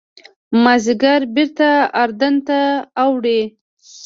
مازیګر بېرته اردن ته اوړي.